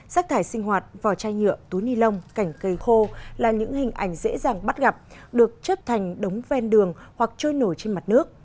rác thải sinh hoạt vò chai nhựa túi ni lông cảnh cây khô là những hình ảnh dễ dàng bắt gặp được chất thành đống ven đường hoặc trôi nổi trên mặt nước